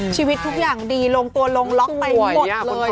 ชีวิตทุกอย่างดีลงตัวลงล็อกไปหมดเลย